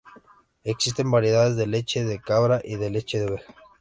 Existen variedades de leche de cabra y de leche de oveja.